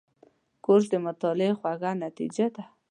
کورس د مطالعې خوږه نتیجه ده.